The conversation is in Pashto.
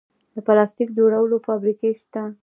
د پلاستیک جوړولو فابریکې شته